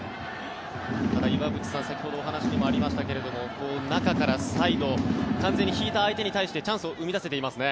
ただ、岩渕さん先ほどお話にもありましたが中からサイド完全に引いた相手に対してチャンスを生み出せていますね。